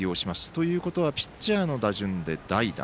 ということはピッチャーの打順で代打。